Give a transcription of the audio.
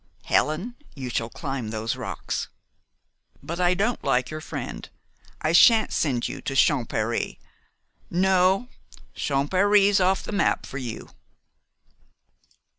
Helen, you shall climb those rocks. But I don't like your friend. I sha'n't send you to Champèry. No Champèry's off the map for you."